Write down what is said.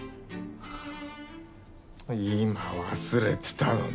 今忘れてたのに。